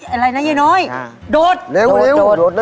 อะไรนะยายน้อยแบบโดดวิ่งวิ่งโดด